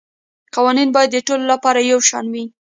قوانین باید د ټولو لپاره یو شان وي